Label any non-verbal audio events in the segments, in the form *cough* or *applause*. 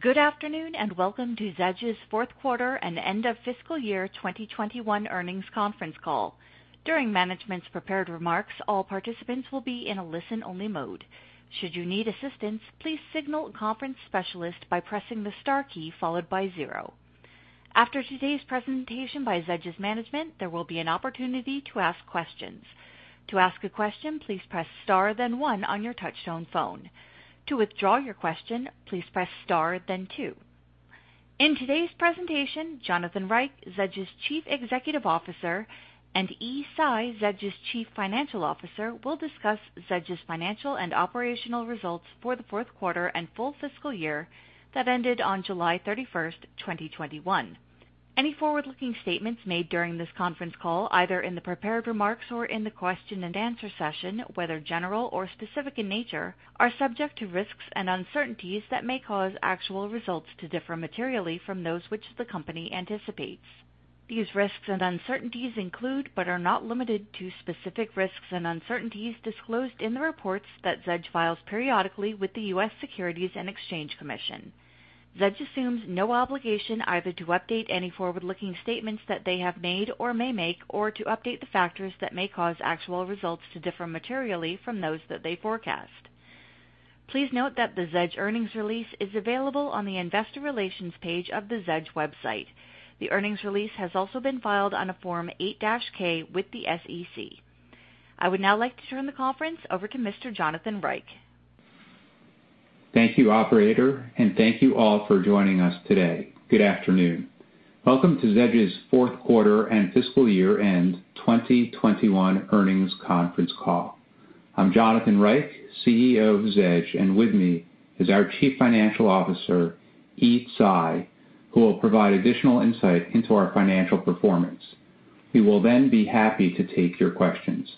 Good afternoon, and welcome to Zedge's fourth quarter and end of fiscal year 2021 earnings conference call. During management's prepared remarks, all participants will be in a listen-only mode. Should you need assistance, please signal a conference specialist by pressing the star key followed by zero. After today's presentation by Zedge's management, there will be an opportunity to ask questions. To ask a question, please press star, then one on your touch-tone phone. To withdraw your question, please press star then two. In today's presentation, Jonathan Reich, Zedge's Chief Executive Officer, and Yi Tsai, Zedge's Chief Financial Officer, will discuss Zedge's financial and operational results for the fourth quarter and full fiscal year that ended on July 31st, 2021. Any forward-looking statements made during this conference call, either in the prepared remarks or in the question and answer session, whether general or specific in nature, are subject to risks and uncertainties that may cause actual results to differ materially from those which the company anticipates. These risks and uncertainties include, but are not limited to, specific risks and uncertainties disclosed in the reports that Zedge files periodically with the U.S. Securities and Exchange Commission. Zedge assumes no obligation either to update any forward-looking statements that they have made or may make, or to update the factors that may cause actual results to differ materially from those that they forecast. Please note that the Zedge earnings release is available on the investor relations page of the Zedge website. The earnings release has also been filed on a Form 8-K with the SEC. I would now like to turn the conference over to Mr. Jonathan Reich. Thank you, operator, and thank you all for joining us today. Good afternoon. Welcome to Zedge's fourth quarter and fiscal year-end 2021 earnings conference call. I'm Jonathan Reich, CEO of Zedge, and with me is our Chief Financial Officer, Yi Tsai, who will provide additional insight into our financial performance. We will then be happy to take your questions.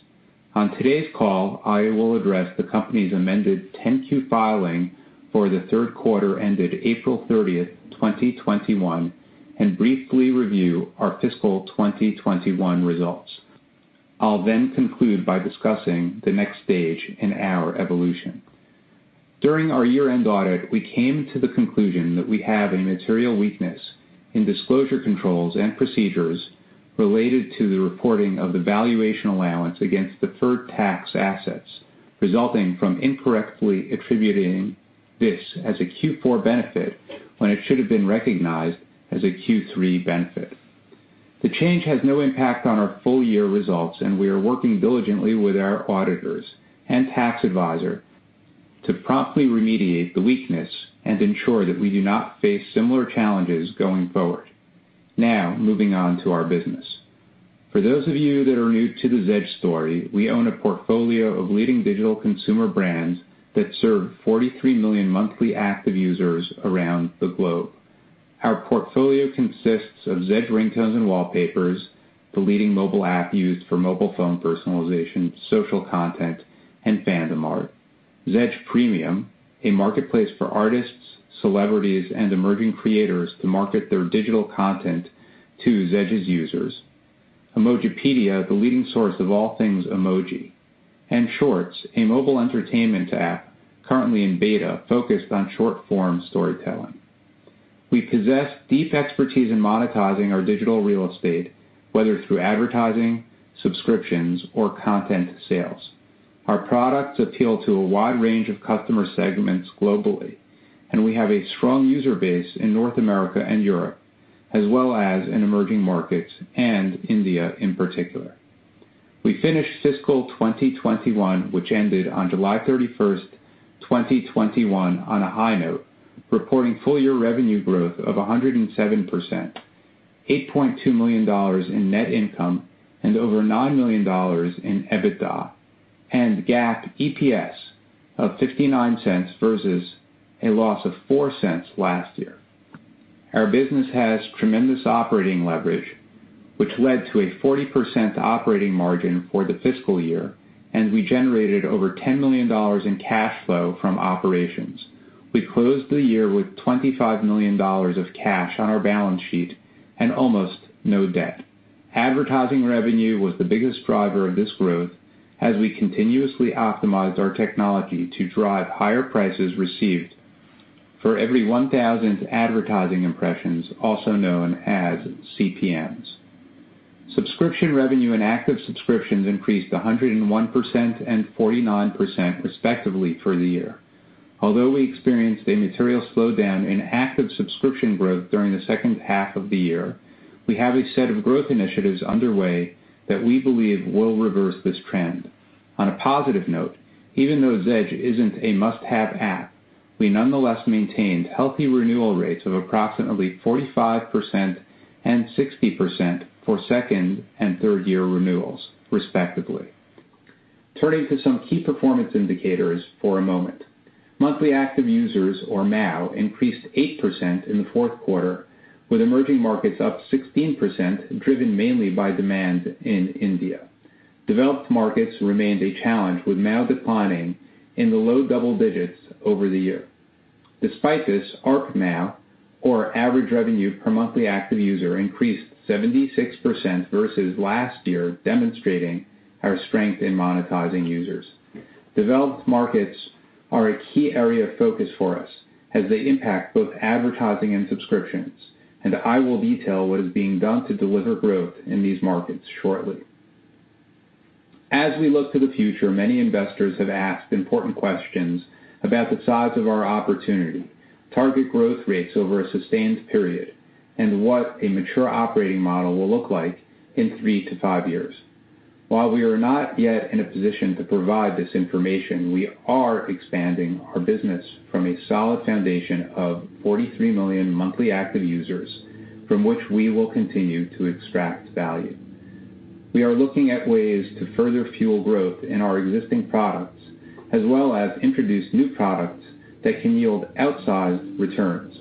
On today's call, I will address the company's amended 10-Q filing for the third quarter ended April 30th, 2021, and briefly review our fiscal 2021 results. I'll then conclude by discussing the next stage in our evolution. During our year-end audit, we came to the conclusion that we have a material weakness in disclosure controls and procedures related to the reporting of the valuation allowance against deferred tax assets, resulting from incorrectly attributing this as a Q4 benefit when it should have been recognized as a Q3 benefit. The change has no impact on our full-year results, and we are working diligently with our auditors and tax advisor to promptly remediate the weakness and ensure that we do not face similar challenges going forward. Now, moving on to our business. For those of you that are new to the Zedge story, we own a portfolio of leading digital consumer brands that serve 43 million monthly active users around the globe. Our portfolio consists of Zedge Ringtones and Wallpapers, the leading mobile app used for mobile phone personalization, social content, and fandom art, Zedge Premium, a marketplace for artists, celebrities, and emerging creators to market their digital content to Zedge's users, Emojipedia, the leading source of all things emoji, and Shortz, a mobile entertainment app currently in beta, focused on short-form storytelling. We possess deep expertise in monetizing our digital real estate, whether through advertising, subscriptions, or content sales. Our products appeal to a wide range of customer segments globally, and we have a strong user base in North America and Europe, as well as in emerging markets and India in particular. We finished fiscal 2021, which ended on July 31st, 2021, on a high note, reporting full-year revenue growth of 107%, $8.2 million in net income and over $9 million in EBITDA, and GAAP EPS of $0.59 versus a loss of $0.04 last year. Our business has tremendous operating leverage, which led to a 40% operating margin for the fiscal year, and we generated over $10 million in cash flow from operations. We closed the year with $25 million of cash on our balance sheet and almost no debt. Advertising revenue was the biggest driver of this growth as we continuously optimized our technology to drive higher prices received for every 1,000 advertising impressions, also known as CPMs. Subscription revenue and active subscriptions increased 101% and 49%, respectively, for the year. Although we experienced a material slowdown in active subscription growth during the second half of the year, we have a set of growth initiatives underway that we believe will reverse this trend. On a positive note, even though Zedge isn't a must-have app, we nonetheless maintained healthy renewal rates of approximately 45% and 60% for second and third-year renewals, respectively. Turning to some key performance indicators for a moment. Monthly active users, or MAU, increased 8% in the fourth quarter, with emerging markets up 16%, driven mainly by demand in India. Developed markets remained a challenge, with MAU declining in the low double digits over the year. Despite this, our MAU, our average revenue per monthly active user increased 76% versus last year, demonstrating our strength in monetizing users. Developed markets are a key area of focus for us as they impact both advertising and subscriptions, and I will detail what is being done to deliver growth in these markets shortly. As we look to the future, many investors have asked important questions about the size of our opportunity, target growth rates over a sustained period, and what a mature operating model will look like in three to five years. While we are not yet in a position to provide this information, we are expanding our business from a solid foundation of 43 million monthly active users from which we will continue to extract value. We are looking at ways to further fuel growth in our existing products, as well as introduce new products that can yield outsized returns.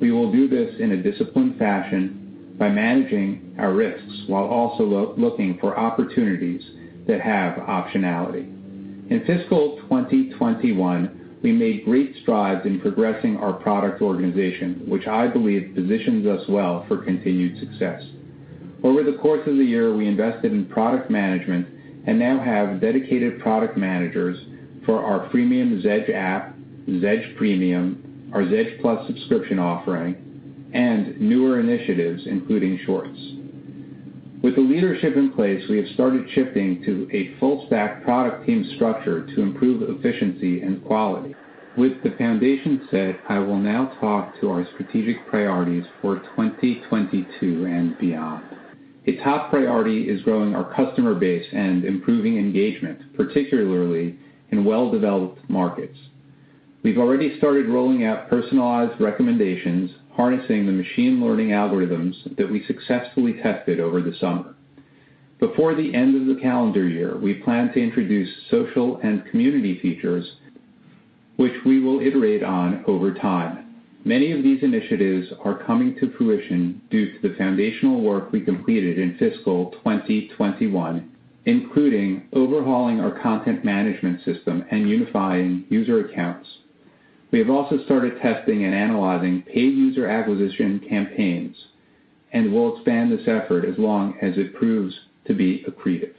We will do this in a disciplined fashion by managing our risks while also looking for opportunities that have optionality. In fiscal 2021, we made great strides in progressing our product organization, which I believe positions us well for continued success. Over the course of the year, we invested in product management and now have dedicated product managers for our freemium Zedge app, Zedge Premium, our Zedge+ subscription offering, and newer initiatives, including Shortz. With the leadership in place, we have started shifting to a full stack product team structure to improve efficiency and quality. With the foundation set, I will now talk to our strategic priorities for 2022 and beyond. A top priority is growing our customer base and improving engagement, particularly in well-developed markets. We've already started rolling out personalized recommendations, harnessing the machine learning algorithms that we successfully tested over the summer. Before the end of the calendar year, we plan to introduce social and community features which we will iterate on over time. Many of these initiatives are coming to fruition due to the foundational work we completed in fiscal 2021, including overhauling our content management system and unifying user accounts. We have also started testing and analyzing paid user acquisition campaigns, and we'll expand this effort as long as it proves to be accretive.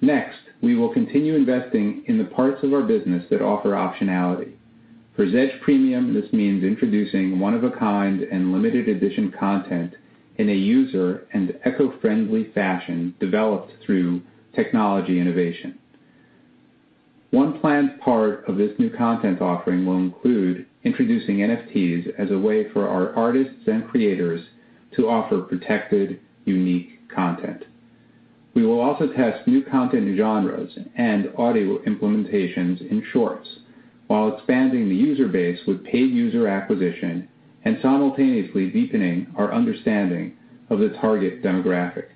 Next, we will continue investing in the parts of our business that offer optionality. For Zedge Premium, this means introducing one-of-a-kind and limited edition content in a user and eco-friendly fashion developed through technology innovation. One planned part of this new content offering will include introducing NFTs as a way for our artists and creators to offer protected, unique content. We will also test new content genres and audio implementations in Shortz, while expanding the user base with paid user acquisition and simultaneously deepening our understanding of the target demographic.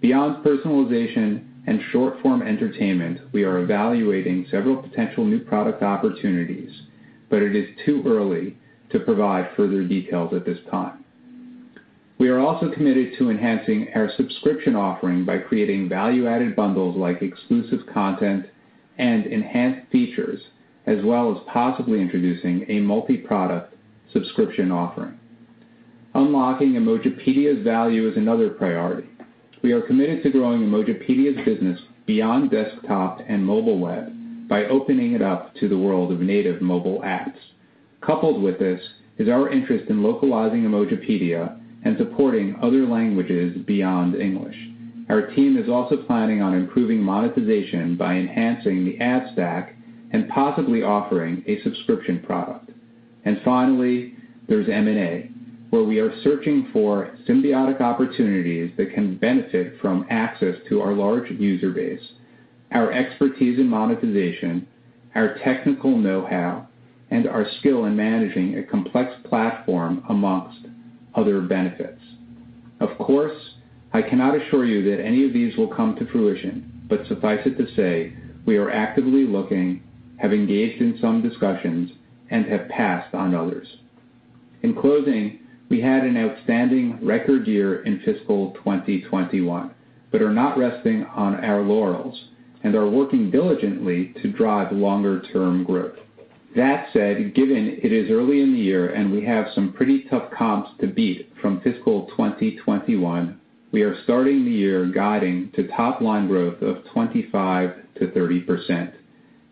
Beyond personalization and short-form entertainment, we are evaluating several potential new product opportunities, but it is too early to provide further details at this time. We are also committed to enhancing our subscription offering by creating value-added bundles like exclusive content and enhanced features, as well as possibly introducing a multiproduct subscription offering. Unlocking Emojipedia's value is another priority. We are committed to growing Emojipedia's business beyond desktop and mobile web by opening it up to the world of native mobile apps. Coupled with this is our interest in localizing Emojipedia and supporting other languages beyond English. Our team is also planning on improving monetization by enhancing the ad stack and possibly offering a subscription product. Finally, there's M&A, where we are searching for symbiotic opportunities that can benefit from access to our large user base, our expertise in monetization, our technical know-how, and our skill in managing a complex platform, amongst other benefits. Of course, I cannot assure you that any of these will come to fruition, but suffice it to say, we are actively looking, have engaged in some discussions, and have passed on others. In closing, we had an outstanding record year in fiscal 2021, but are not resting on our laurels and are working diligently to drive longer-term growth. That said, given it is early in the year and we have some pretty tough comps to beat from fiscal 2021, we are starting the year guiding to top line growth of 25%-30%.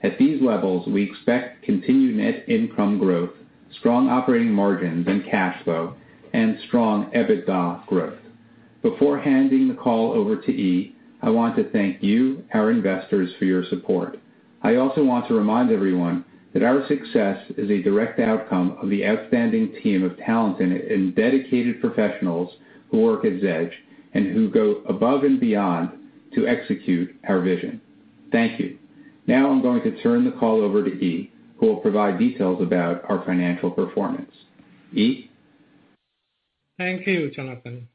At these levels, we expect continued net income growth, strong operating margins and cash flow, and strong EBITDA growth. Before handing the call over to Yi, I want to thank you, our investors, for your support. I also want to remind everyone that our success is a direct outcome of the outstanding team of talented and dedicated professionals who work at Zedge and who go above and beyond to execute our vision. Thank you. Now I'm going to turn the call over to Yi, who will provide details about our financial performance. Yi? Thank you, Jonathan.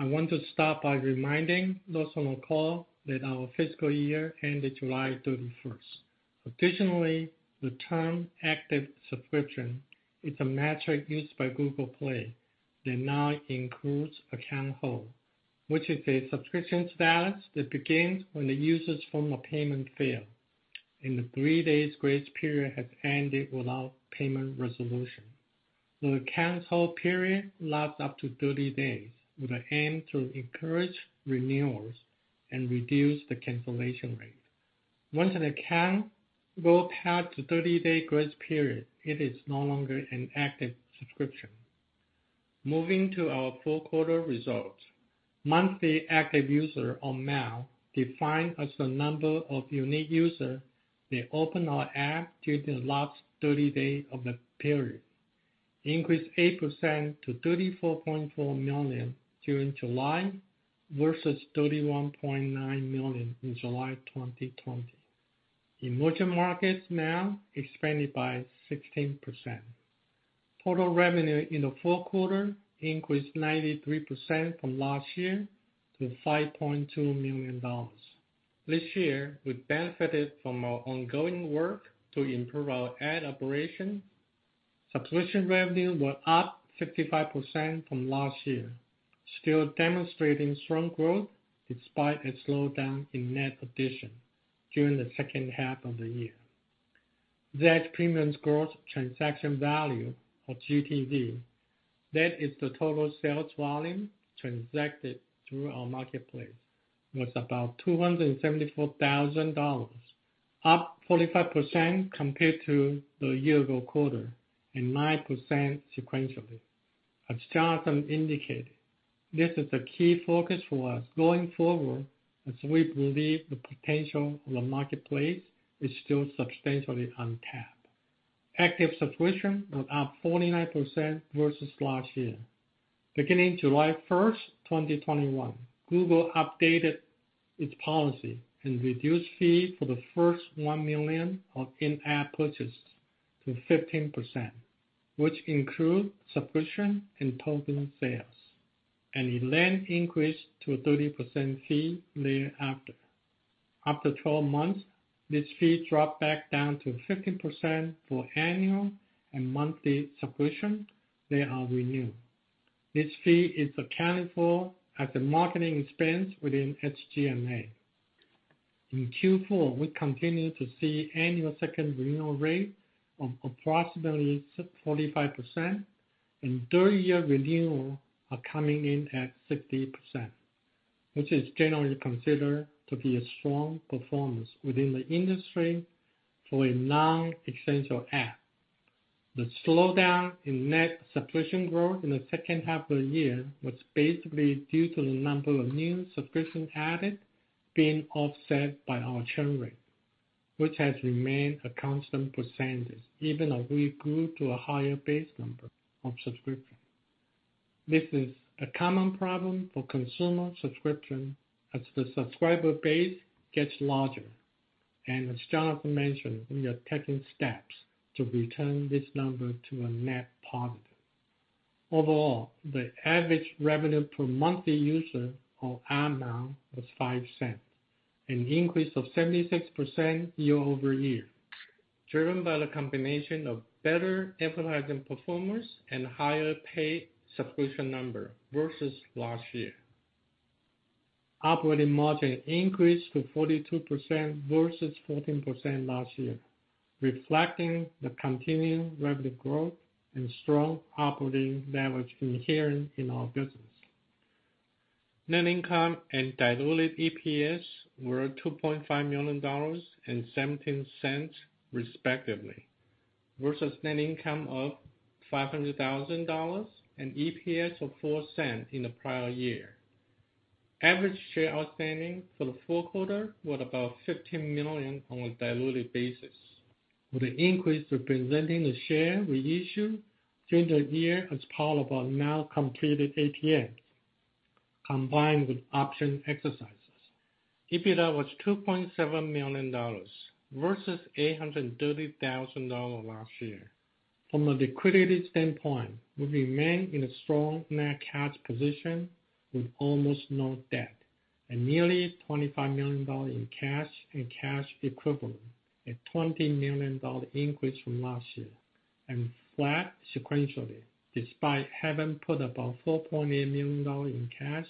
I want to start by reminding those on the call that our fiscal year ended July 31st. Additionally, the term active subscription is a metric used by Google Play that now includes account hold, which is a subscription status that begins when the user's form of payment fails. If the three days grace period has ended without payment resolution. The cancel period lasts up to 30 days with the aim to encourage renewals and reduce the cancellation rate. Once an account goes past the 30-day grace period, it is no longer an active subscription. Moving to our fourth quarter results. MAU, defined as the number of unique users who open our app during the last 30 days of the period, increased 8% to 34.4 million during July, versus 31.9 million in July 2020. Emerging markets now expanded by 16%. Total revenue in the fourth quarter increased 93% from last year to $5.2 million. This year, we benefited from our ongoing work to improve our ad operation. Subscription revenue were up 55% from last year, still demonstrating strong growth despite a slowdown in net addition during the second half of the year. Zedge Premium gross transaction value, or GTV, that is the total sales volume transacted through our marketplace, was about $274,000, up 45% compared to the year-ago quarter and 9% sequentially. As Jonathan indicated, this is the key focus for us going forward, as we believe the potential of the marketplace is still substantially untapped. Active subscription was up 49% versus last year. Beginning July 1st, 2021, Google updated its policy and reduced fee for the first 1 million of in-app purchase to 15%, which include subscription and token sales, and it then increased to a 30% fee thereafter. After 12 months, this fee dropped back down to 15% for annual and monthly subscription, they are renewed. This fee is accounted for as a marketing expense within SG&A. In Q4, we continue to see annual second renewal rate of approximately 45% and third-year renewal are coming in at 60%, which is generally considered to be a strong performance within the industry for a non-essential app. The slowdown in net subscription growth in the second half of the year was basically due to the number of new subscriptions added being offset by our churn rate, which has remained a constant percentage, even as we grew to a higher base number of subscriptions. This is a common problem for consumer subscription as the subscriber base gets larger. As Jonathan mentioned, we are taking steps to return this number to a net positive. Overall, the ARPMAU was $0.05, an increase of 76% year-over-year, driven by the combination of better advertising performance and higher paid subscription number versus last year. Operating margin increased to 42% versus 14% last year, reflecting the continued revenue growth and strong operating leverage inherent in our business. Net income and diluted EPS were $2.5 million and $0.17, respectively, versus net income of $500,000 and EPS of $0.04 in the prior year. Average shares outstanding for the full quarter was about 15 million on a diluted basis, with an increase representing the share issuance during the year as part of our now completed ATM, combined with option exercises. EBITDA was $2.7 million versus $830,000 last year. From a liquidity standpoint, we remain in a strong net cash position with almost no debt and nearly $25 million in cash and cash equivalents, a $20 million increase from last year, and flat sequentially, despite having put about $4.8 million in cash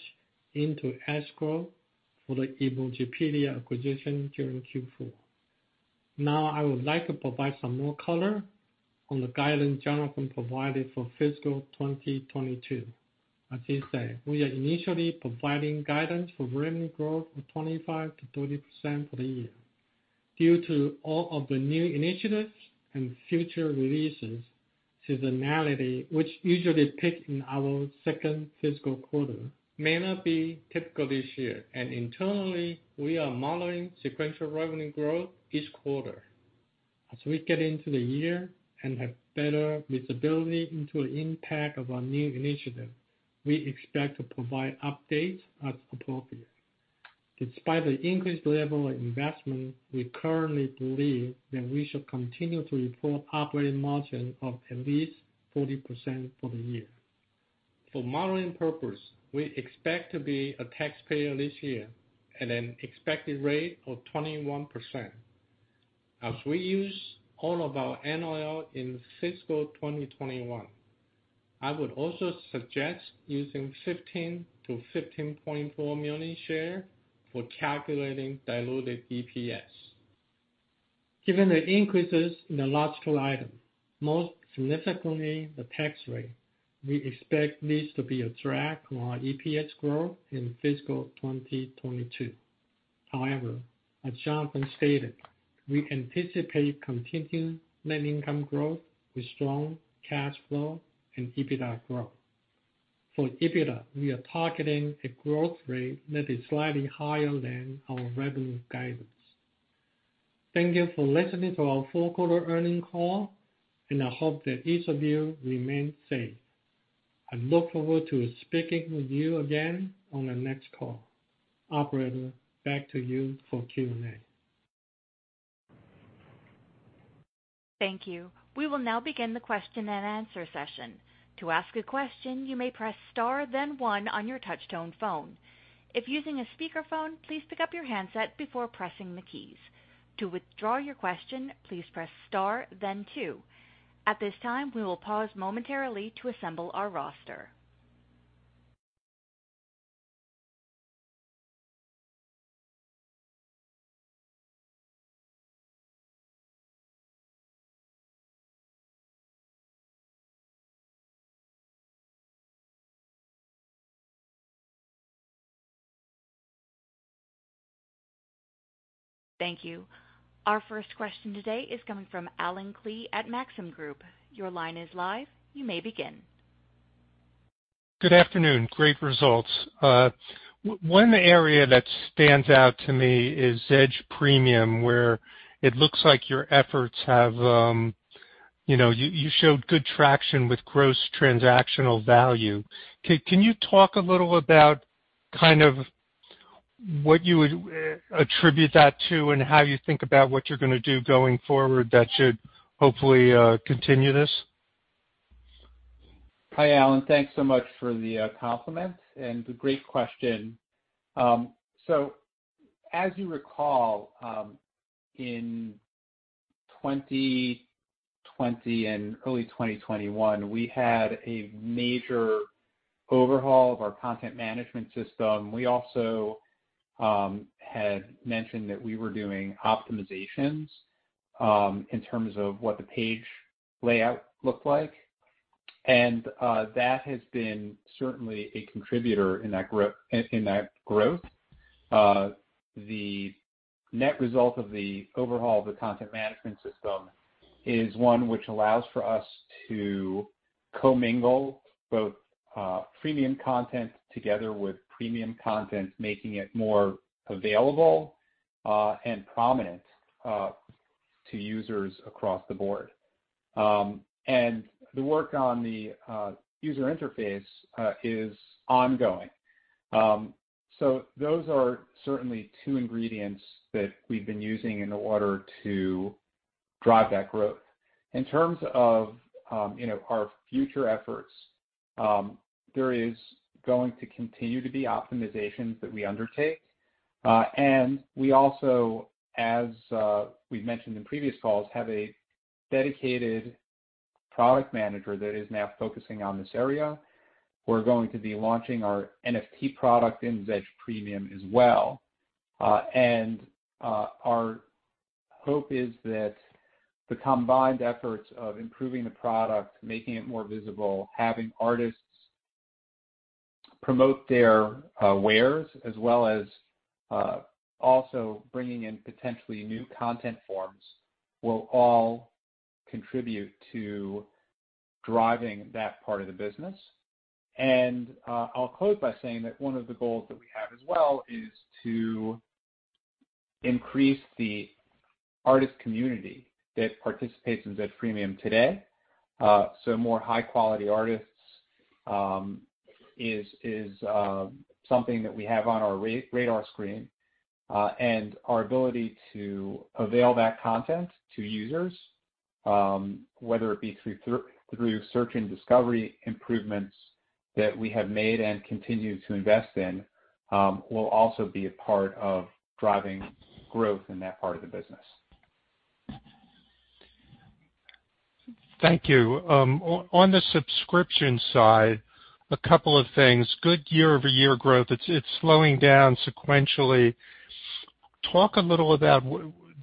into escrow for the Emojipedia acquisition during Q4. Now, I would like to provide some more color on the guidance Jonathan provided for fiscal 2022. As he said, we are initially providing guidance for revenue growth of 25%-30% for the year. Due to all of the new initiatives and future releases, seasonality, which usually peak in our second fiscal quarter, may not be typical this year. Internally, we are modeling sequential revenue growth each quarter. As we get into the year and have better visibility into the impact of our new initiative, we expect to provide updates as appropriate. Despite the increased level of investment, we currently believe that we should continue to report operating margin of at least 40% for the year. For modeling purpose, we expect to be a taxpayer this year at an expected rate of 21%. As we use all of our NOL in fiscal 2021. I would also suggest using 15 million shares-15.4 million shares for calculating diluted EPS. Given the increases in the non-cash items, most significantly the tax rate, we expect this to be a drag on our EPS growth in fiscal 2022. However, as Jonathan stated, we anticipate continued net income growth with strong cash flow and EBITDA growth. For EBITDA, we are targeting a growth rate that is slightly higher than our revenue guidance. Thank you for listening to our fourth quarter earnings call, and I hope that each of you remain safe. I look forward to speaking with you again on the next call. Operator, back to you for Q&A. Thank you. We will now begin the question and answer session. To ask a question, you may press star then one on your touch-tone phone. If using a speakerphone, please pick up your handset before pressing the keys. To withdraw your question, please press star then two. At this time, we will pause momentarily to assemble our roster. Thank you. Our first question today is coming from Allen Klee at Maxim Group. Your line is live. You may begin. Good afternoon. Great results. One area that stands out to me is Zedge Premium, where it looks like your efforts have, you know, you showed good traction with gross transactional value. Can you talk a little about kind of what you would attribute that to and how you think about what you're gonna do going forward that should hopefully continue this? Hi, Allen. Thanks so much for the compliment and great question. As you recall, in 2020 and early 2021, we had a major overhaul of our content management system. We also had mentioned that we were doing optimizations in terms of what the page layout looked like. That has been certainly a contributor in that growth. The net result of the overhaul of the content management system is one which allows for us to co-mingle both freemium content together with premium content, making it more available and prominent to users across the board. The work on the user interface is ongoing. Those are certainly two ingredients that we've been using in order to drive that growth. In terms of, you know, our future efforts, there is going to continue to be optimizations that we undertake. We also, as we've mentioned in previous calls, have a dedicated product manager that is now focusing on this area. We're going to be launching our NFT product in Zedge Premium as well. Our hope is that the combined efforts of improving the product, making it more visible, having artists promote their wares, as well as also bringing in potentially new content forms will all contribute to driving that part of the business. I'll close by saying that one of the goals that we have as well is to increase the artist community that participates in Zedge Premium today. More high quality artists is something that we have on our radar screen. Our ability to avail that content to users, whether it be through search and discovery improvements that we have made and continue to invest in, will also be a part of driving growth in that part of the business. Thank you. On the subscription side, a couple of things. Good year-over-year growth. It's slowing down sequentially. Talk a little about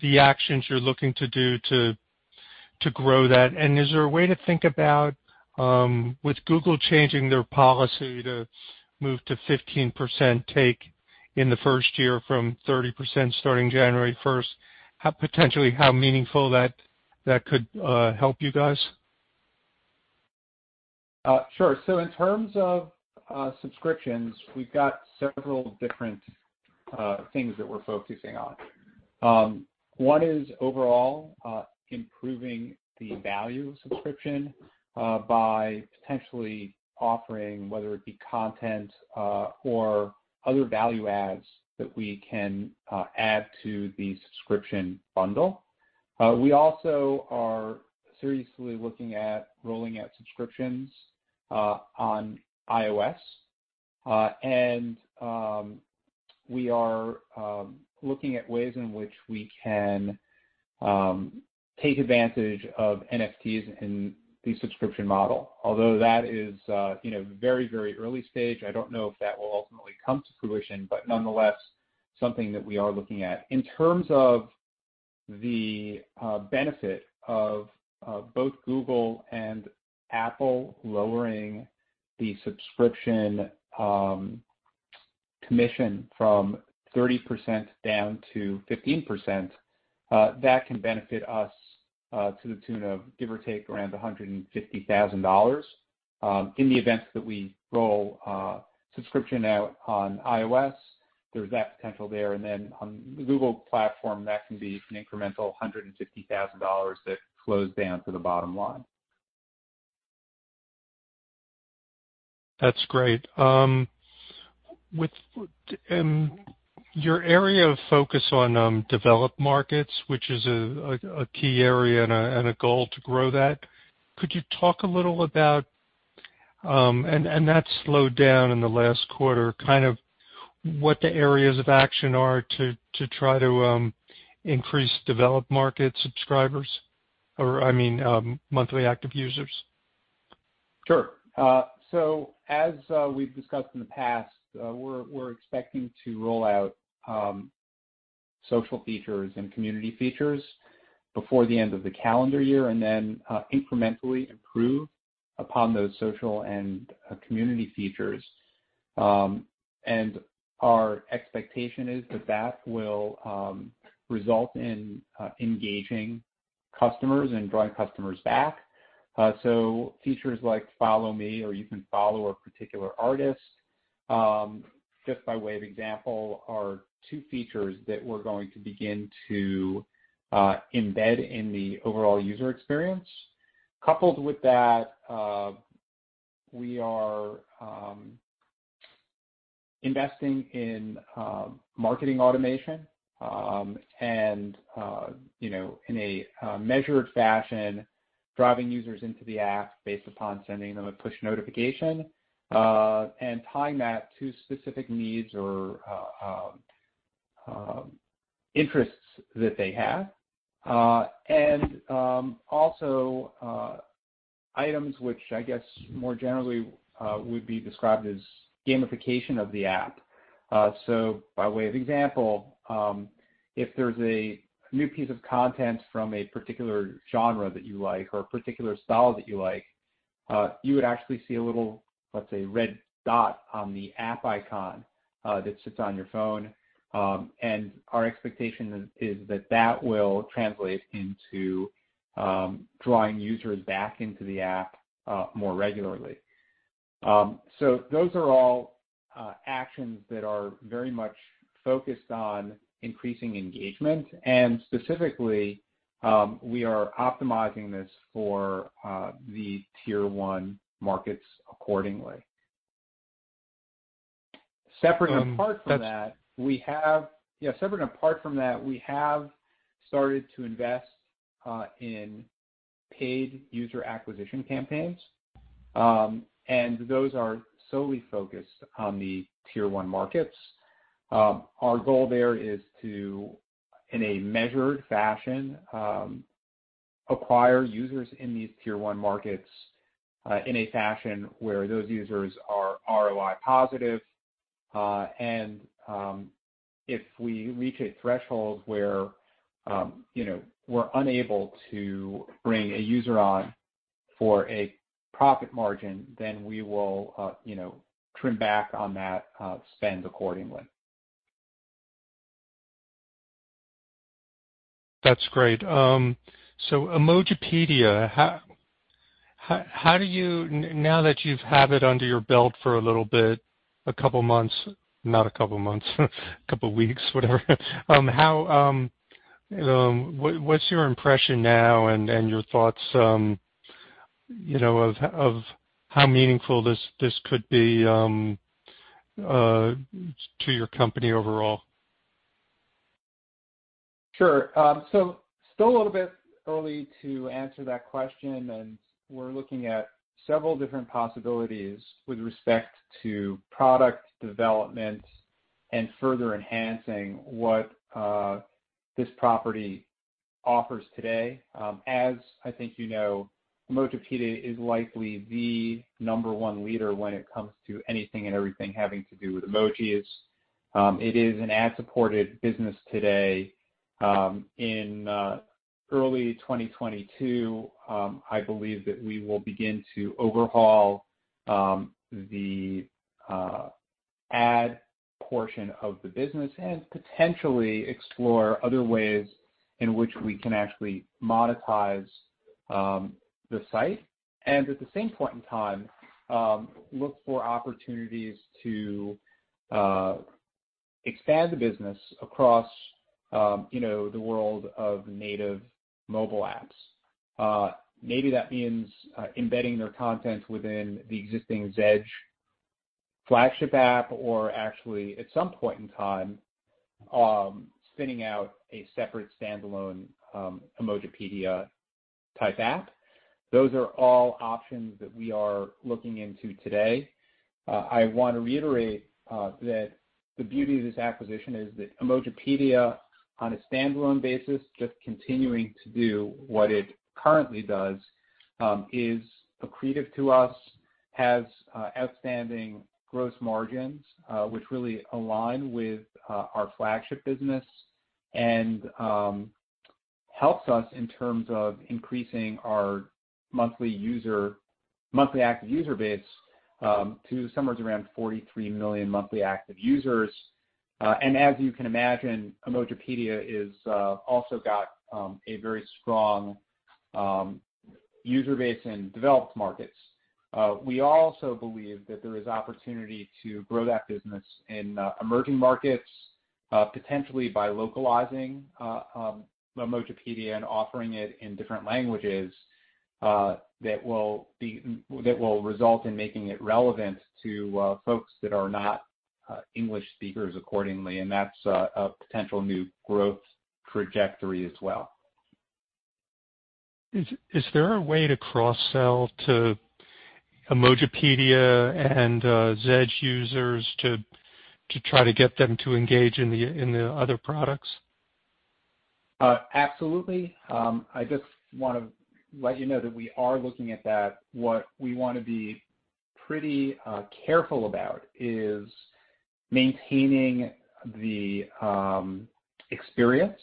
the actions you're looking to do to grow that. Is there a way to think about, with Google changing their policy to move to 15% take in the first year from 30% starting January 1st, how potentially meaningful that could help you guys? Sure. In terms of subscriptions, we've got several different things that we're focusing on. One is overall improving the value of subscription by potentially offering whether it be content or other value adds that we can add to the subscription bundle. We also are seriously looking at rolling out subscriptions on iOS. We are looking at ways in which we can take advantage of NFTs in the subscription model. Although that is, you know, very, very early stage. I don't know if that will ultimately come to fruition, but nonetheless, something that we are looking at. In terms of the benefit of both Google and Apple lowering the subscription commission from 30% down to 15%, that can benefit us to the tune of give or take around $150,000. In the event that we roll subscription out on iOS, there's that potential there. On the Google platform, that can be an incremental $150,000 that flows down to the bottom line. That's great. With your area of focus on developed markets, which is a key area and a goal to grow that, could you talk a little about that slowed down in the last quarter, kind of what the areas of action are to try to increase developed market subscribers or, I mean, monthly active users? Sure. As we've discussed in the past, we're expecting to roll out social features and community features before the end of the calendar year, and then incrementally improve upon those social and community features. Our expectation is that will result in engaging customers and drawing customers back. Features like Follow Me or you can follow a particular artist, just by way of example, are two features that we're going to begin to embed in the overall user experience. Coupled with that, we are investing in marketing automation, and you know, in a measured fashion, driving users into the app based upon sending them a push notification, and tying that to specific needs or interests that they have. Items which I guess more generally would be described as gamification of the app. By way of example, if there's a new piece of content from a particular genre that you like or a particular style that you like, you would actually see a little, let's say, red dot on the app icon that sits on your phone. Our expectation is that it will translate into drawing users back into the app more regularly. Those are all actions that are very much focused on increasing engagement, and specifically, we are optimizing this for the Tier 1 markets accordingly. Separate and apart from that. *crosstalk* Yeah, separate and apart from that, we have started to invest in paid user acquisition campaigns, and those are solely focused on the Tier 1 markets. Our goal there is to, in a measured fashion, acquire users in these Tier 1 markets, in a fashion where those users are ROI positive. If we reach a threshold where you know, we're unable to bring a user on for a profit margin, then we will you know, trim back on that spend accordingly. That's great. Emojipedia, now that you've had it under your belt for a little bit, a couple of months, not a couple of months, a couple of weeks, whatever. What's your impression now and your thoughts, you know, of how meaningful this could be to your company overall? Sure. Still a little bit early to answer that question, and we're looking at several different possibilities with respect to product development and further enhancing what this property offers today. As I think you know, Emojipedia is likely the number one leader when it comes to anything and everything having to do with emojis. It is an ad-supported business today. In early 2022, I believe that we will begin to overhaul the ad portion of the business and potentially explore other ways in which we can actually monetize the site. At the same point in time, look for opportunities to expand the business across you know the world of native mobile apps. Maybe that means embedding their content within the existing Zedge flagship app or actually, at some point in time, spinning out a separate standalone, Emojipedia type app. Those are all options that we are looking into today. I want to reiterate that the beauty of this acquisition is that Emojipedia on a standalone basis just continuing to do what it currently does is accretive to us, has outstanding gross margins, which really align with our flagship business and helps us in terms of increasing our monthly active user base to somewhere around 43 million monthly active users. As you can imagine, Emojipedia is also got a very strong user base in developed markets. We also believe that there is opportunity to grow that business in emerging markets, potentially by localizing Emojipedia and offering it in different languages, that will result in making it relevant to folks that are not English speakers accordingly. That's a potential new growth trajectory as well. Is there a way to cross-sell to Emojipedia and Zedge users to try to get them to engage in the other products? Absolutely. I just wanna let you know that we are looking at that. What we wanna be pretty careful about is maintaining the experience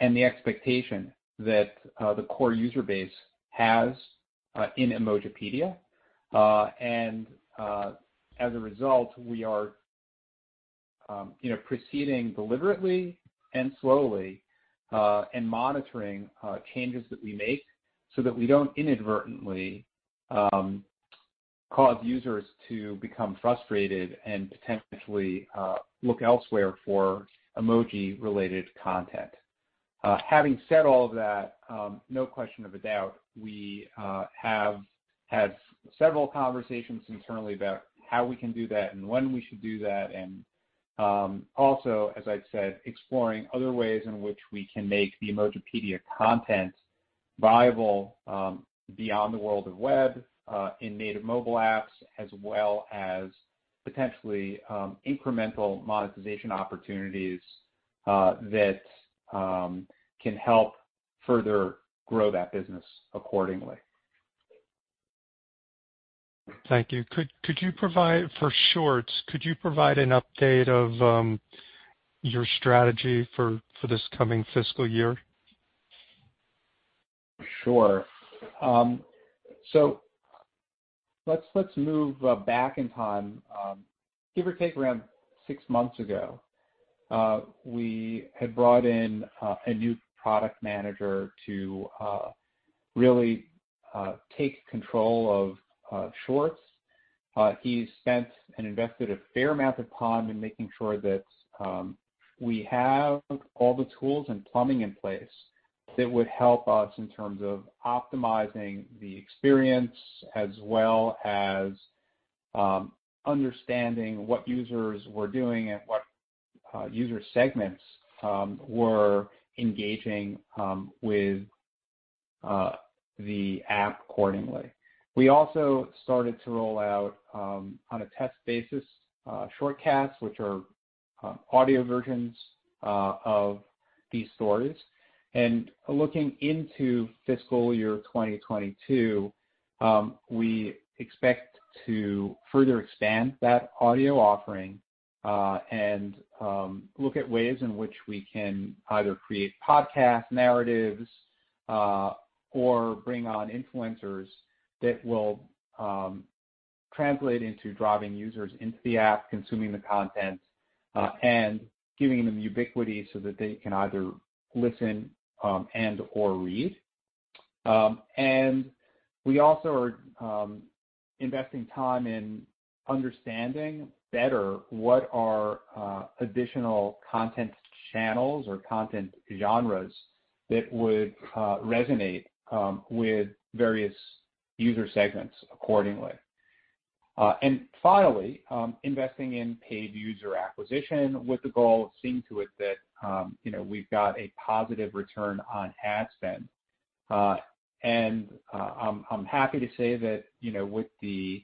and the expectation that the core user base has in Emojipedia. And as a result, we are, you know, proceeding deliberately and slowly and monitoring changes that we make so that we don't inadvertently cause users to become frustrated and potentially look elsewhere for emoji-related content. Having said all of that, no question of a doubt, we have had several conversations internally about how we can do that and when we should do that. Also, as I'd said, exploring other ways in which we can make the Emojipedia content viable, beyond the world of web, in native mobile apps, as well as potentially, incremental monetization opportunities, that can help further grow that business accordingly. Thank you. For Shortz, could you provide an update of your strategy for this coming fiscal year? Sure. Let's move back in time. Give or take around six months ago, we had brought in a new product manager to really take control of Shortz. He spent and invested a fair amount of time in making sure that we have all the tools and plumbing in place that would help us in terms of optimizing the experience as well as understanding what users were doing and what user segments were engaging with the app accordingly. We also started to roll out on a test basis, Shortcasts, which are audio versions of these stories. Looking into fiscal year 2022, we expect to further expand that audio offering, and look at ways in which we can either create podcast narratives, or bring on influencers that will translate into driving users into the app, consuming the content, and giving them ubiquity so that they can either listen and/or read. We also are investing time in understanding better what are additional content channels or content genres that would resonate with various user segments accordingly. Finally, investing in paid user acquisition with the goal seeing to it that, you know, we've got a positive return on ad spend. I'm happy to say that, you know, with the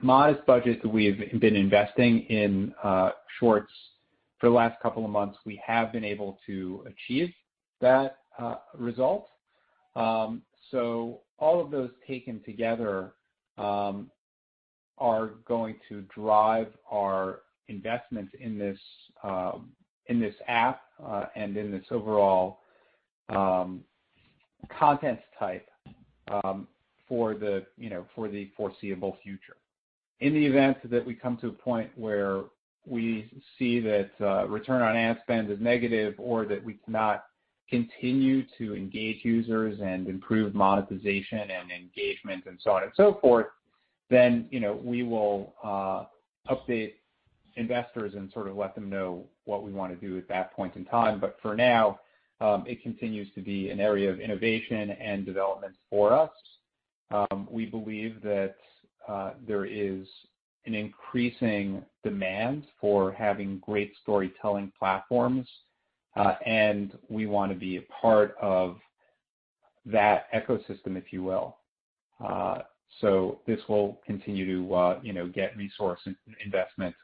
modest budget we've been investing in Shortz for the last couple of months, we have been able to achieve that result. All of those taken together are going to drive our investments in this app and in this overall content type, you know, for the foreseeable future. In the event that we come to a point where we see that return on ad spend is negative or that we cannot continue to engage users and improve monetization and engagement and so on and so forth, then, you know, we will update investors and sort of let them know what we wanna do at that point in time. For now, it continues to be an area of innovation and development for us. We believe that there is an increasing demand for having great storytelling platforms, and we wanna be a part of that ecosystem, if you will. This will continue to, you know, get resource investment,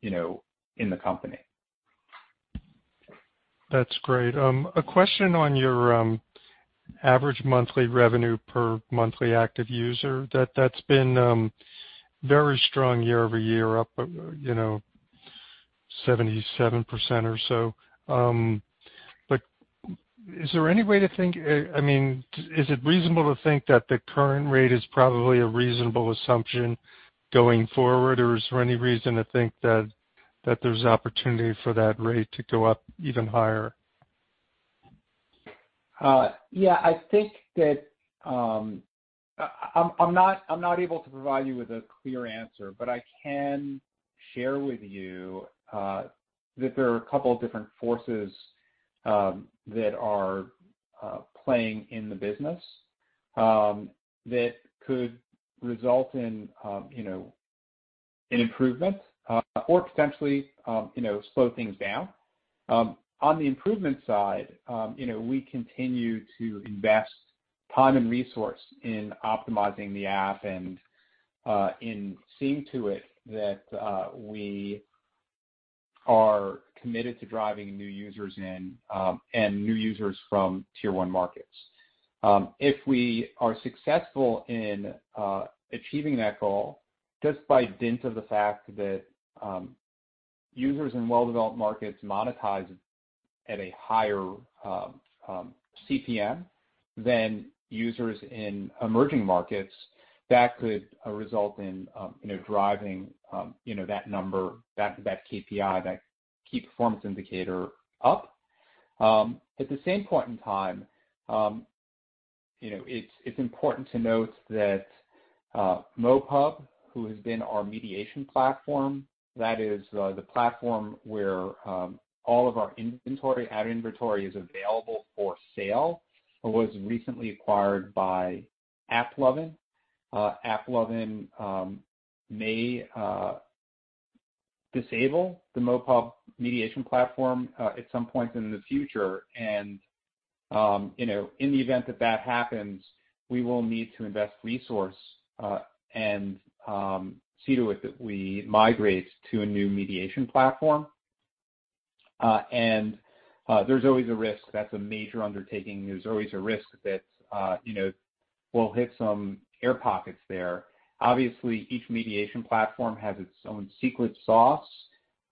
you know, in the company. That's great. A question on your average monthly revenue per monthly active user. That's been very strong year-over-year, up, you know, 77% or so. But is there any way to think, I mean, is it reasonable to think that the current rate is probably a reasonable assumption going forward, or is there any reason to think that there's opportunity for that rate to go up even higher? Yeah. I think that I'm not able to provide you with a clear answer, but I can share with you that there are a couple of different forces that are playing in the business that could result in, you know, an improvement or potentially, you know, slow things down. On the improvement side, you know, we continue to invest time and resource in optimizing the app and seeing to it that we are committed to driving new users in and new users from Tier 1 markets. If we are successful in achieving that goal, just by dint of the fact that users in well-developed markets monetize at a higher CPM than users in emerging markets, that could result in you know driving you know that number, that KPI, that key performance indicator up. At the same point in time, you know, it's important to note that MoPub, who has been our mediation platform, that is the platform where all of our inventory, ad inventory is available for sale, was recently acquired by AppLovin. AppLovin may disable the MoPub mediation platform at some point in the future. In the event that that happens, we will need to invest resource and see to it that we migrate to a new mediation platform. There's always a risk. That's a major undertaking. There's always a risk that you know, we'll hit some air pockets there. Obviously, each mediation platform has its own secret sauce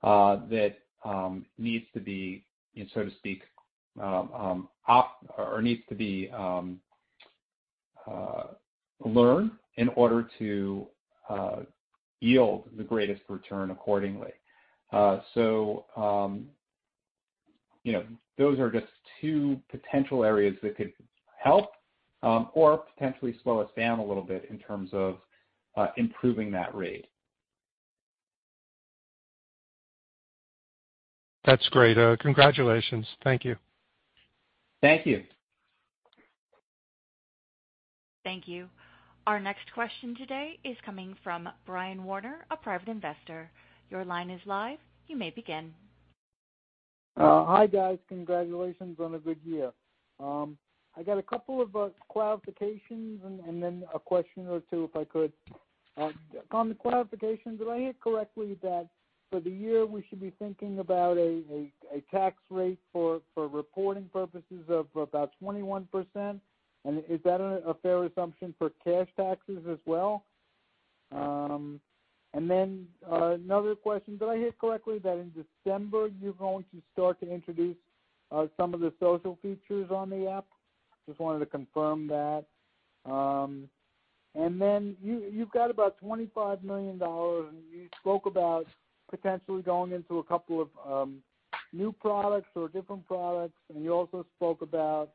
that, so to speak, needs to be learned in order to yield the greatest return accordingly. You know, those are just two potential areas that could help or potentially slow us down a little bit in terms of improving that rate. That's great. Congratulations. Thank you. Thank you. Thank you. Our next question today is coming from Brian Warner, a private investor. Your line is live. You may begin. Hi, guys. Congratulations on a good year. I got a couple of clarifications and then a question or two if I could. On the clarification, did I hear correctly that for the year, we should be thinking about a tax rate for reporting purposes of about 21%? Is that a fair assumption for cash taxes as well? Another question. Did I hear correctly that in December, you're going to start to introduce some of the social features on the app? Just wanted to confirm that. You've got about $25 million, and you spoke about potentially going into a couple of new products or different products, and you also spoke about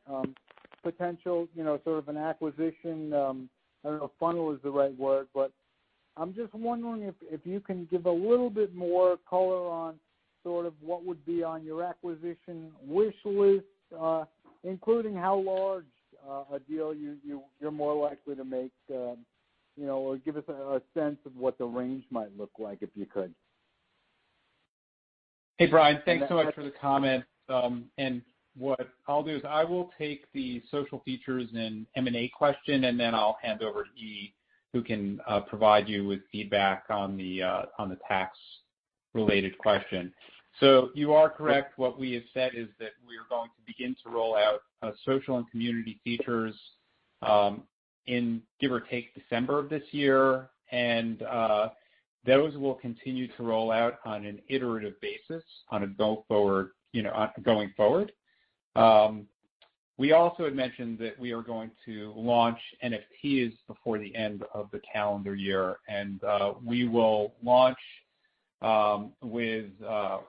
potential, you know, sort of an acquisition. I don't know if funnel is the right word, but I'm just wondering if you can give a little bit more color on sort of what would be on your acquisition wish list, including how large a deal you're more likely to make, you know, or give us a sense of what the range might look like if you could. Hey, Brian. Thanks so much for the comment. What I'll do is I will take the social features and M&A question, and then I'll hand over to Yi who can provide you with feedback on the tax-related question. You are correct. What we have said is that we are going to begin to roll out social and community features in give or take December of this year. Those will continue to roll out on an iterative basis going forward. We also had mentioned that we are going to launch NFTs before the end of the calendar year. We will launch with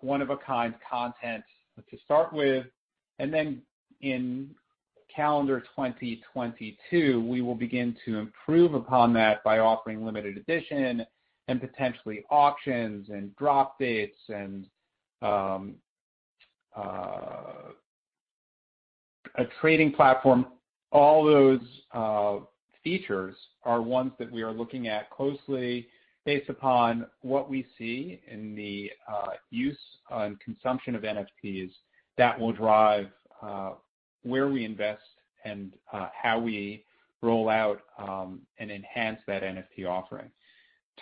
one-of-a-kind content to start with. In calendar 2022, we will begin to improve upon that by offering limited edition and potentially auctions and drop dates and a trading platform. All those features are ones that we are looking at closely based upon what we see in the use and consumption of NFTs that will drive where we invest and how we roll out and enhance that NFT offering.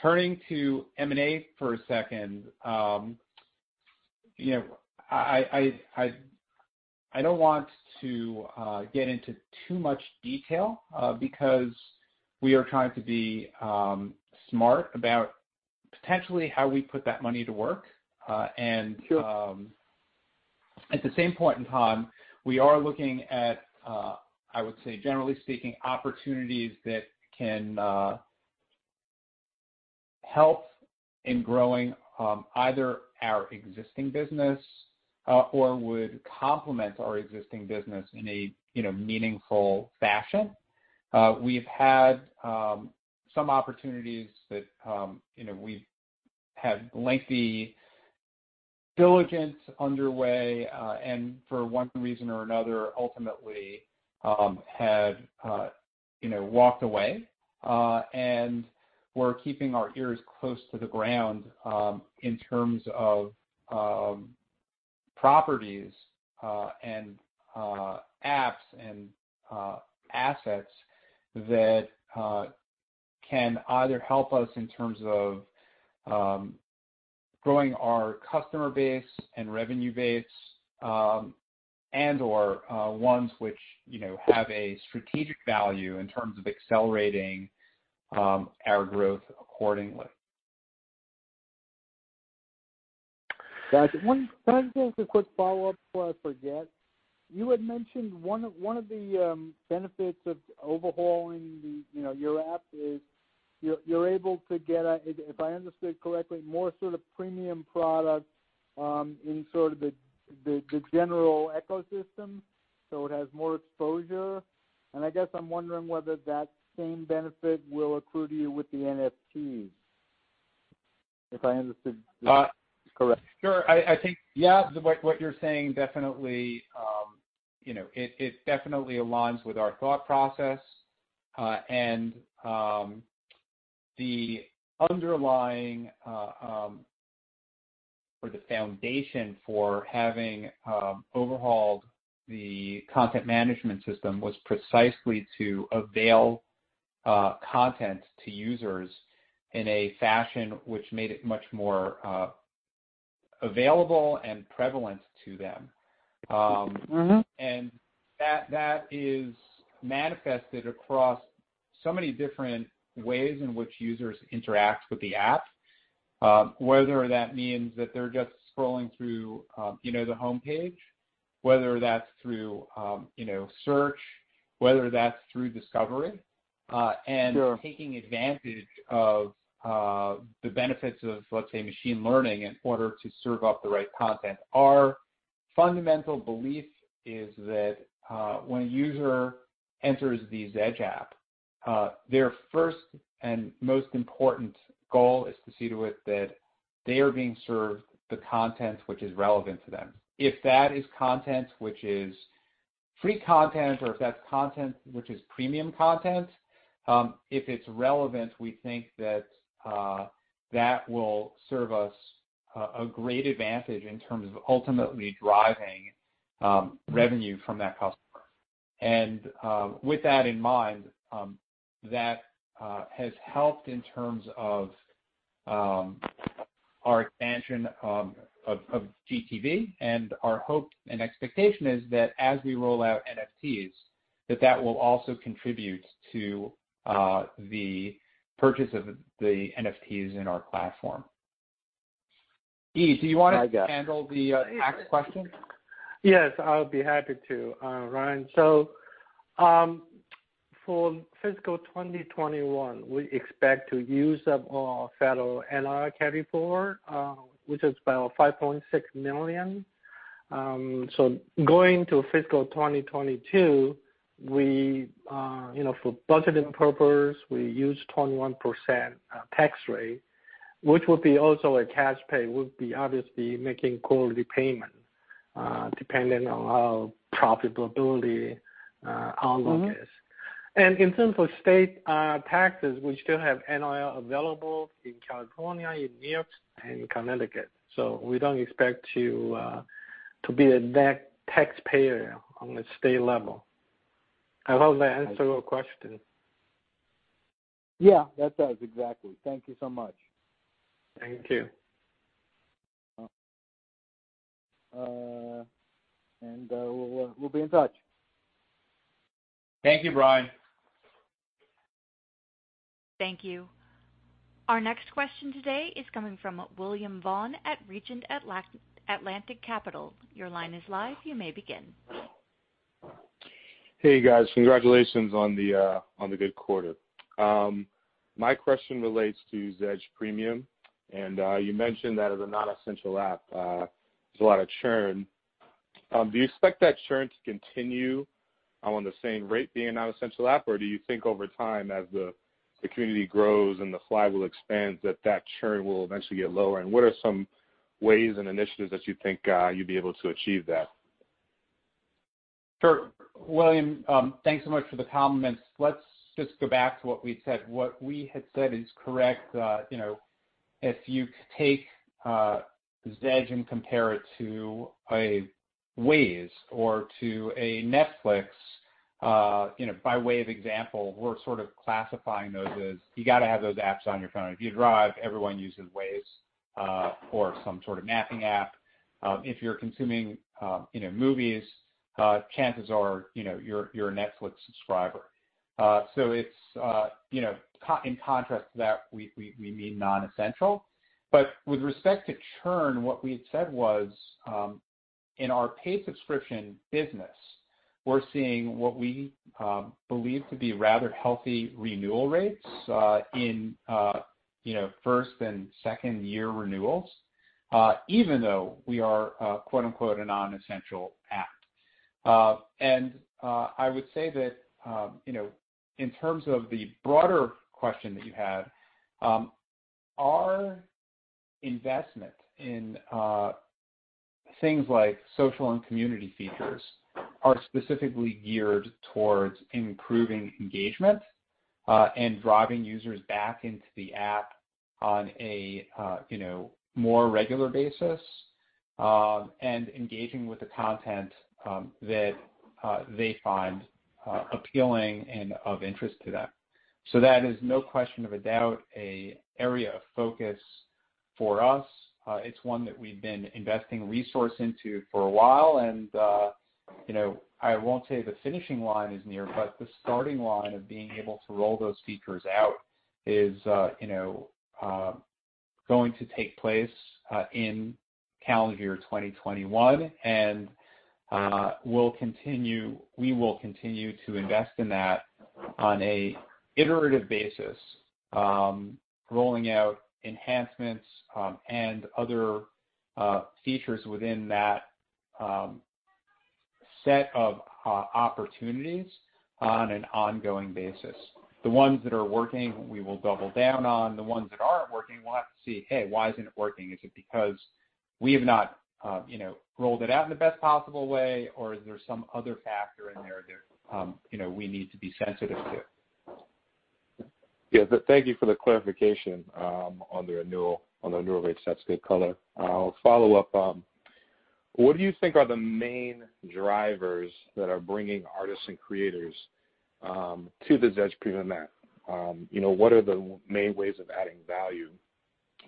Turning to M&A for a second, you know, I don't want to get into too much detail because we are trying to be smart about potentially how we put that money to work. Sure. At the same point in time, we are looking at, I would say generally speaking, opportunities that can help in growing either our existing business or would complement our existing business in a, you know, meaningful fashion. We've had some opportunities that, you know, we've had lengthy diligence underway, and for one reason or another, ultimately had, you know, walked away. We're keeping our ears close to the ground in terms of properties and apps and assets that can either help us in terms of growing our customer base and revenue base and/or ones which, you know, have a strategic value in terms of accelerating our growth accordingly. Got you. One just a quick follow up before I forget. You had mentioned one of the benefits of overhauling your app is you're able to get a, if I understood correctly, more sort of premium products in sort of the general ecosystem, so it has more exposure. I guess I'm wondering whether that same benefit will accrue to you with the NFTs, if I understood this correct. Sure. I think, yeah, what you're saying definitely, you know, it definitely aligns with our thought process. The foundation for having overhauled the content management system was precisely to avail content to users in a fashion which made it much more available and prevalent to them. Mm-hmm. That is manifested across so many different ways in which users interact with the app, whether that means that they're just scrolling through, you know, the homepage, whether that's through, you know, search, whether that's through discovery. Sure. Taking advantage of the benefits of, let's say, machine learning in order to serve up the right content. Our fundamental belief is that, when a user enters the Zedge app, their first and most important goal is to see to it that they are being served the content which is relevant to them. If that is content which is free content or if that's content which is premium content, if it's relevant, we think that will serve us a great advantage in terms of ultimately driving revenue from that customer. With that in mind, that has helped in terms of our expansion of GTV. Our hope and expectation is that as we roll out NFTs, that will also contribute to the purchase of the NFTs in our platform. Yi, do you wanna handle the tax question? Yes, I would be happy to, Brian. For fiscal 2021, we expect to use up our, *audio distortion* which is about $5.6 million. Going to fiscal 2022, we, you know, for budgeting purpose, we use 21% tax rate, which would be also a cash pay. We'll be obviously making quarterly payment, depending on how profitability outlook is. Mm-hmm. In terms of state taxes, we still have NOL available in California, in New York, and Connecticut. We don't expect to be a net taxpayer on the state level. I hope that answered your question. Yeah, that does. Exactly. Thank you so much. Thank you. We'll be in touch. Thank you, Brian. Thank you. Our next question today is coming from William Vaughan at RegentAtlantic Capital. Your line is live. You may begin. Hey, guys. Congratulations on the good quarter. My question relates to Zedge Premium. You mentioned that as a non-essential app, there's a lot of churn. Do you expect that churn to continue at the same rate as a non-essential app, or do you think over time, as the community grows and the flywheel expands, that churn will eventually get lower? What are some ways and initiatives that you think you'd be able to achieve that? Sure. William, thanks so much for the comments. Let's just go back to what we said. What we had said is correct. You know, if you take Zedge and compare it to a Waze or to a Netflix, you know, by way of example, we're sort of classifying those as you gotta have those apps on your phone. If you drive, everyone uses Waze or some sort of mapping app. If you're consuming you know, movies, chances are, you know, you're a Netflix subscriber. It's you know, in contrast to that, we mean non-essential. With respect to churn, what we had said was, in our paid subscription business, we're seeing what we believe to be rather healthy renewal rates, in you know, first and second year renewals, even though we are quote-unquote a non-essential app. I would say that, you know, in terms of the broader question that you had, our investment in things like social and community features are specifically geared towards improving engagement, and driving users back into the app on a you know, more regular basis, and engaging with the content that they find appealing and of interest to them. That is no question of a doubt an area of focus for us. It's one that we've been investing resource into for a while, and, you know, I won't say the finishing line is near, but the starting line of being able to roll those features out is, you know, going to take place in calendar year 2021. We will continue to invest in that on a iterative basis, rolling out enhancements, and other features within that set of opportunities on an ongoing basis. The ones that are working, we will double down on. The ones that aren't working, we'll have to see, hey, why isn't it working? Is it because we have not, you know, rolled it out in the best possible way, or is there some other factor in there that, you know, we need to be sensitive to? Yeah. Thank you for the clarification on the renewal rates. That's good color. I'll follow up. What do you think are the main drivers that are bringing artists and creators to the Zedge Premium app? You know, what are the main ways of adding value,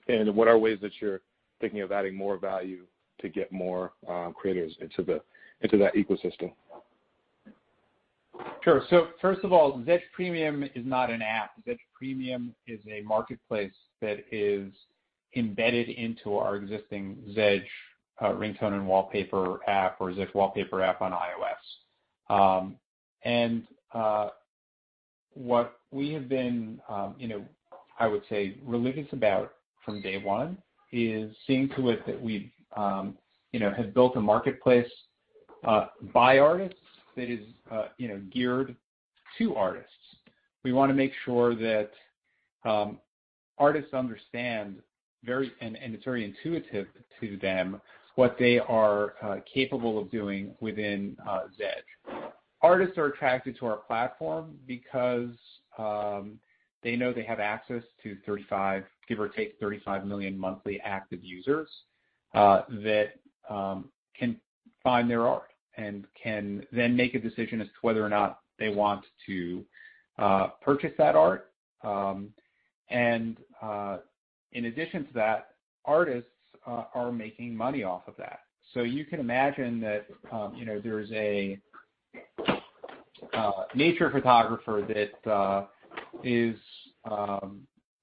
and what are ways that you're thinking of adding more value to get more creators into that ecosystem? Sure. First of all, Zedge Premium is not an app. Zedge Premium is a marketplace that is embedded into our existing Zedge Ringtone and Wallpaper app or Zedge Wallpaper app on iOS. What we have been, you know, I would say religious about from day one is seeing to it that we've, you know, have built a marketplace by artists that is, you know, geared to artists. We wanna make sure that artists understand and it's very intuitive to them what they are capable of doing within Zedge. Artists are attracted to our platform because they know they have access to 35, give or take, 35 million monthly active users that can find their art and can then make a decision as to whether or not they want to purchase that art. In addition to that, artists are making money off of that. So you can imagine that, you know, there's a nature photographer that is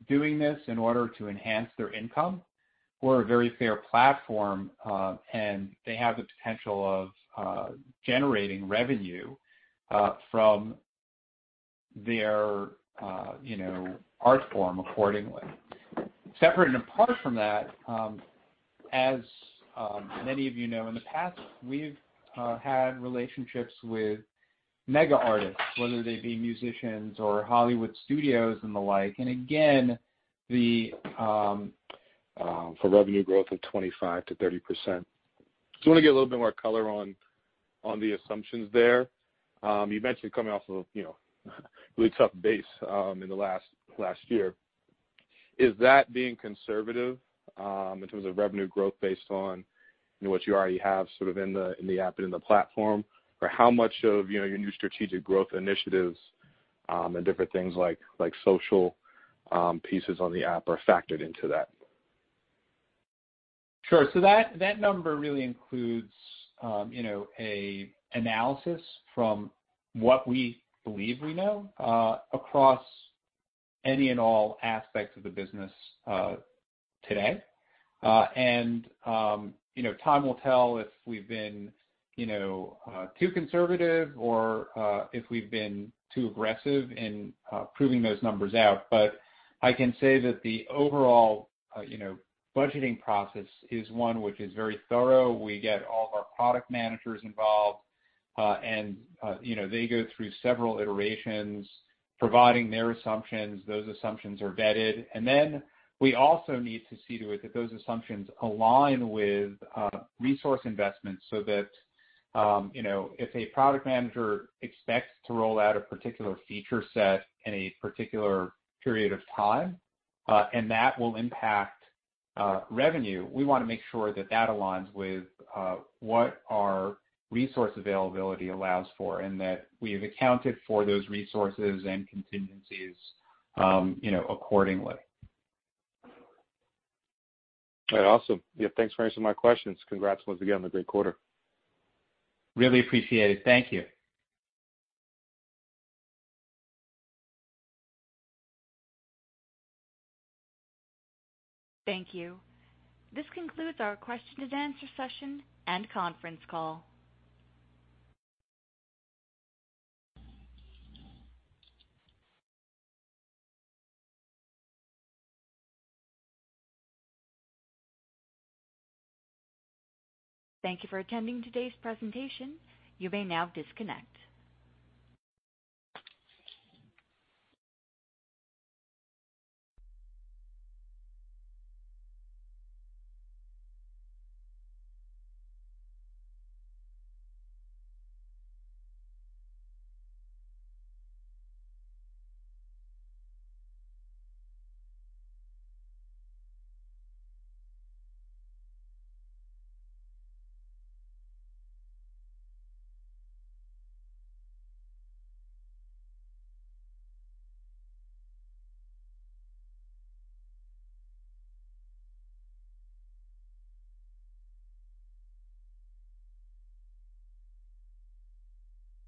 doing this in order to enhance their income. We're a very fair platform, and they have the potential of generating revenue from their, you know, art form accordingly. Separate and apart from that, as many of you know, in the past, we've had relationships with mega artists, whether they be musicians or Hollywood studios and the like. For revenue growth of 25%-30%. I wanna get a little bit more color on the assumptions there. You mentioned coming off of, you know, a really tough base in the last year. Is that being conservative in terms of revenue growth based on, you know, what you already have sort of in the app and in the platform, or how much of, you know, your new strategic growth initiatives and different things like social pieces on the app are factored into that? Sure. That number really includes, you know, an analysis from what we believe we know, across any and all aspects of the business, today. You know, time will tell if we've been, you know, too conservative or, if we've been too aggressive in, proving those numbers out. I can say that the overall, you know, budgeting process is one which is very thorough. We get all of our product managers involved. You know, they go through several iterations providing their assumptions. Those assumptions are vetted. We also need to see to it that those assumptions align with resource investments so that, you know, if a product manager expects to roll out a particular feature set in a particular period of time, and that will impact revenue, we wanna make sure that that aligns with what our resource availability allows for and that we've accounted for those resources and contingencies, you know, accordingly. All right, awesome. Yeah, thanks for answering my questions. Congrats once again on a great quarter. Really appreciate it. Thank you. Thank you. This concludes our question and answer session and conference call. Thank you for attending today's presentation. You may now disconnect.